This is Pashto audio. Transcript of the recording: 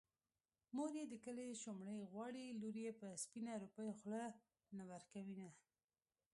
مور يې د کلي شومړې غواړي لور يې په سپينه روپۍ خوله نه ورکوينه